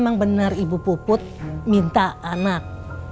memang benar ibu puput minta anak